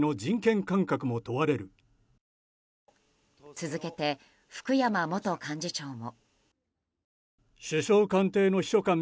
続けて福山元幹事長も。